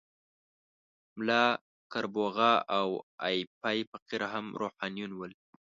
ملا کربوغه او ایپی فقیر هم روحانیون ول.